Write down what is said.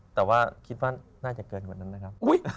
แต่ว่าคิดว่าน่าจะเกินกว่านั้นนะครับ